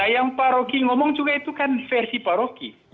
yang pak rocky ngomong juga itu kan versi pak rocky